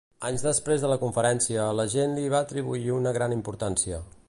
Anys després de la conferència, la gent li va atribuir una gran importància.